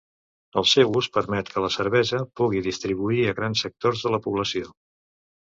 El seu ús permet que la cervesa pugui distribuir a grans sectors de la població.